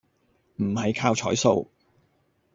唔係靠彩數